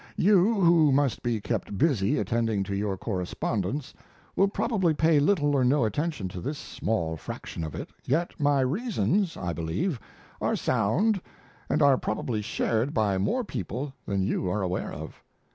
You, who must be kept busy attending to your correspondence, will probably pay little or no attention to this small fraction of it, yet my reasons, I believe, are sound and are probably shared by more people than you are aware of.